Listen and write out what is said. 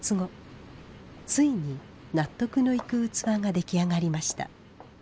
ついに納得のいく器が出来上がりました。